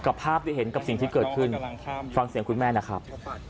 ภาพที่เห็นกับสิ่งที่เกิดขึ้นฟังเสียงคุณแม่นะครับ